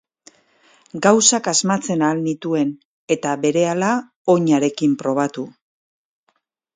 Gauzak asmatzen ahal nituen, eta berehala oin harekin probatu.